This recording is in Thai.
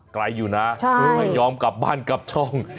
ไกลอยู่นะไม่ยอมกลับบ้านกลับช่อง